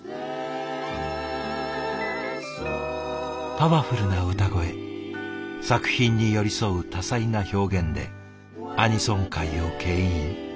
パワフルな歌声作品に寄り添う多彩な表現でアニソン界をけん引。